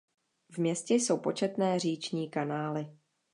V městě jsou početné říční kanály.